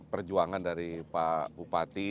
perjuangan dari pak bupati